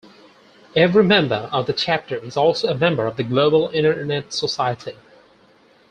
Every member of the chapter is also a member of the global Internet Society.